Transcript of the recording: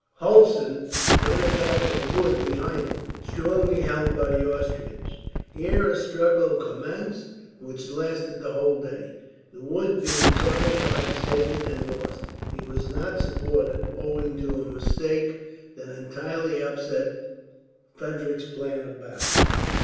Hulsen then attacked a wood behind it, strongly held by the Austrians. Here a struggle commenced which lasted the whole day, the wood being several times taken and lost. He was not supported, owing to a mistake that entirely upset Frederick's plan of battle.